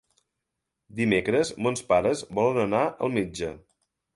Dimecres mons pares volen anar al metge.